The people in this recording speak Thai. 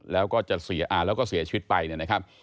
แล้วก็เสียชีวิตไปนะครับ